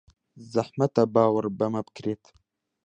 زەحمەتە باوەڕ بەمە بکرێت.